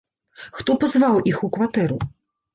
Хто пазваў іх у кватэру?